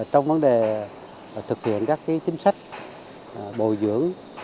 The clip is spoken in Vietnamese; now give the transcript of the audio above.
trong vấn đề thực hiện các chính sách bồi dưỡng